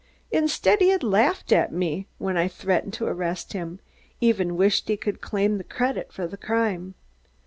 Instead, he had laughed at me when I threatened to arrest him, even wished he could claim the credit for the crime.